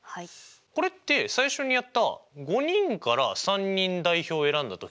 これって最初にやった５人から３人代表を選んだ時とおんなじ考え方ですかね。